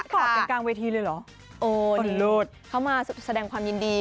นี่ขอดกลางกลางเวทีเลยเหรอโอ้นี่เขามาแสดงความยินดี